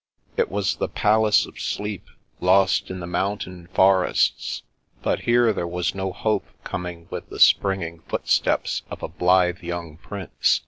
It was the Palace of Sleep, lost in the mountain forests, but here there was no hope coming with the springing footsteps of a blithe young prince.